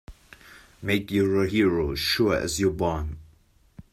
Make you're a hero sure as you're born!